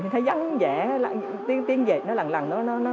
thấy vắng dẻ tiếng dệt nó lằn lằn